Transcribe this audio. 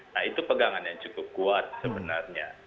nah itu pegangan yang cukup kuat sebenarnya